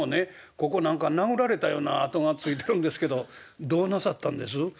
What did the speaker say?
ここ何か殴られたような痕がついてるんですけどどうなさったんです？」。